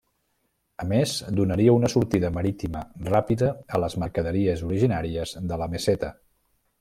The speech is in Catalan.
A més, donaria una sortida marítima ràpida a les mercaderies originàries de la Meseta.